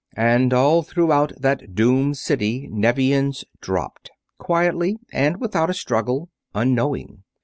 And all throughout that doomed city Nevians dropped; quietly and without a struggle, unknowing.